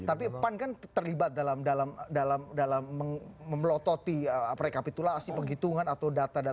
tapi pan kan terlibat dalam memelototi rekapitulasi penghitungan atau data data